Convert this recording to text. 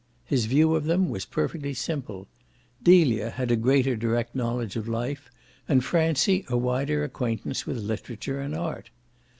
His view of them was perfectly simple. Delia had a greater direct knowledge of life and Francie a wider acquaintance with literature and art.